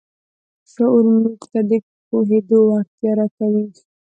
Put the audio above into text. شعور موږ ته د پوهېدو وړتیا راکوي.